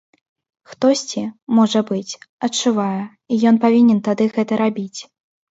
Хтосьці, можа быць, адчувае, і ён павінен тады гэта рабіць.